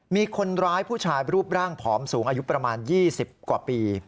มีคนร้ายผู้ชายรูปร่างผอมสูงอายุประมาณ๒๐กว่าปี